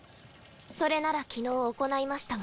それなら昨日行いましたが？